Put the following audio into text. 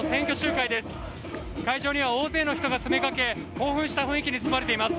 会場には大勢の人が詰め掛け興奮した雰囲気に包まれています。